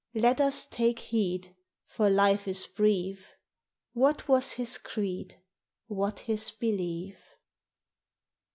Let us take heed, For life is brief. What was his creed — What his belief?